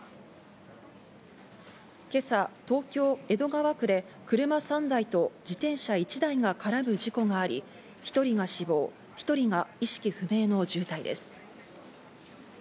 今朝、東京・江戸川区で車３台と自転車１台が絡む事故があり、１人が死亡、１人が意識不明の重体です。